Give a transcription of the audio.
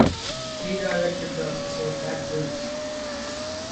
He directed the episode "Bad Dreams".